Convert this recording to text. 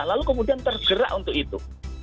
lalu kemudian tergerak untuk itu